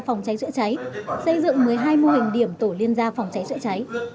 phòng cháy chữa cháy xây dựng một mươi hai mô hình điểm tổ liên gia phòng cháy chữa cháy